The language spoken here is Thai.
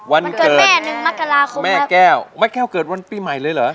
วันเกิดแม่แก้วแม่แก้วเกิดวันปีใหม่เลยหรือ